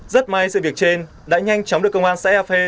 rất may sự việc trên đã nhanh chóng được công an xã ea phê